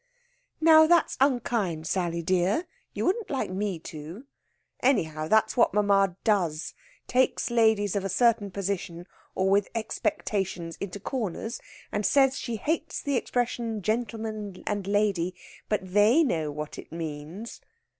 "Now, that's unkind, Sally dear. You wouldn't like me to. Anyhow, that's what mamma does. Takes ladies of a certain position or with expectations into corners, and says she hates the expression gentleman and lady, but they know what she means...."